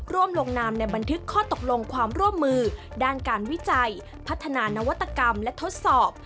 ลงนามในบันทึกข้อตกลงความร่วมมือด้านการวิจัยพัฒนานวัตกรรมและทดสอบ